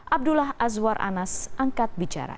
abdullah azwar anas angkat bicara